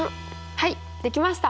はいできました！